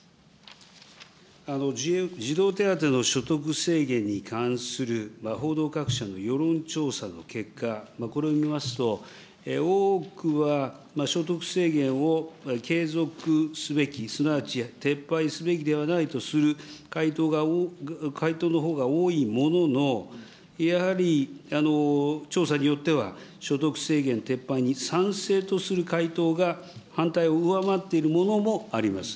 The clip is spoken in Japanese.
児童手当の所得制限に関する報道各社の世論調査の結果、これを見ますと、多くは所得制限を継続すべき、すなわち撤廃すべきではないとする回答が、回答のほうが多いものの、やはり調査によっては、所得制限撤廃に賛成とする回答が、反対を上回っているものもあります。